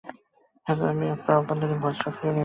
Hello, আমি আপনার অভ্যন্তরীণ ভয়েস-সক্রিয় নেভিগেটর।